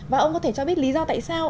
và ông có thể cho biết lý do tại sao